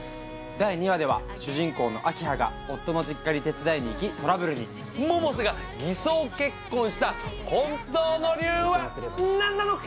第２話では主人公の明葉が夫の実家に手伝いに行きトラブルに百瀬が偽装結婚した本当の理由は何なのか？